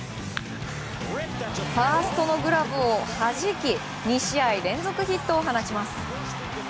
ファーストのグラブをはじき２試合連続ヒットを放ちます。